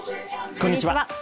こんにちは。